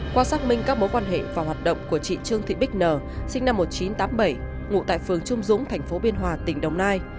qua xác minh các mối quan hệ và hoạt động của chị trương thị bích n sinh năm một nghìn chín trăm tám mươi bảy ngụ tại phường trung dũng thành phố biên hòa tỉnh đồng nai